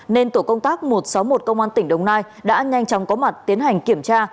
nên tổ công tác một trăm sáu mươi một công an tỉnh đồng nai đã nhanh chóng có mặt tiến hành kiểm tra